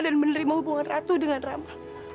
dan menerima hubungan ratu dengan rama